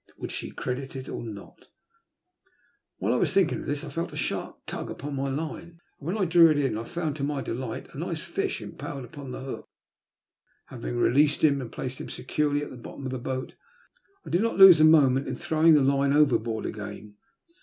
Would she credit it or not ? While I was thinking of this, I felt a sharp tug upon my line, and when I drew it in, I found, to my delight, a nice fish impaled upon the hook. Having released him and placed him securely at the bottom of the boat, I did not lose a moment in throwing the line over board again.